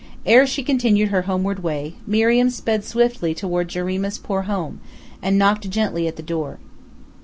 Ere she continued her homeward way, Miriam sped swiftly toward Jarima's poor home, and knocked gently at the door.